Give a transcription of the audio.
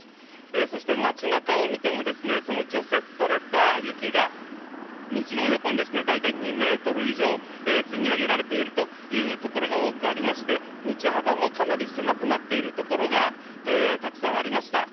そして、街中を見てもその除雪された雪が道の横に大体２ｍ以上積み上げられているというところが多くありまして道幅もかなり狭くなっているところがたくさんありました。